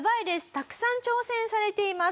たくさん挑戦されています。